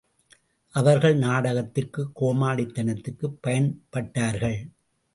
அவர்கள் நாடகத்திற்குக் கோமாளித்தனத்துக்குப் பயன் பட்டார்கள்.